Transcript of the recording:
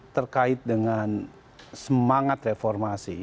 terkait dengan semangat reformasi